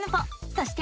そして。